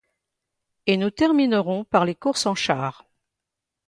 Et nous terminerons par les courses en char